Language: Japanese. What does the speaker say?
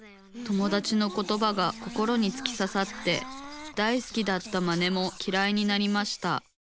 友だちのことばが心につきささって大好きだったマネもきらいになりました。